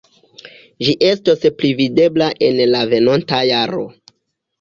Ĝi estos pli videbla en la venonta jaro.